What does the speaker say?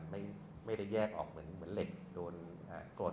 ไม่ได้แยกออกเหมือนเหล็กโดนกด